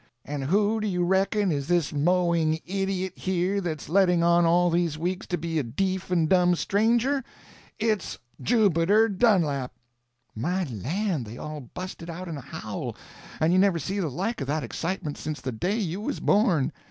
"And who do you reckon is this mowing idiot here that's letting on all these weeks to be a deef and dumb stranger? It's—Jubiter Dunlap!" [Illustration: And there was the murdered man.] My land, they all busted out in a howl, and you never see the like of that excitement since the day you was born.